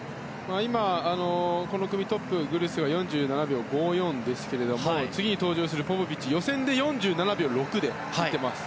今この組トップのグルセは４７秒５４ですけれども次に登場するポポビッチは予選で４７秒６でいっています。